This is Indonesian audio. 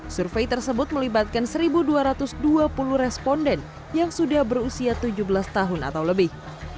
survei tersebut melibatkan satu dua ratus dua puluh responden yang sudah berusia tujuh belas tahun atau lebih